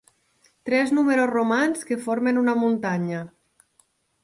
Tres números romans que formen una muntanya.